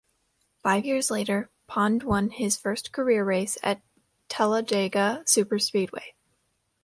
Five years later, Pond won his first career race at Talladega Superspeedway.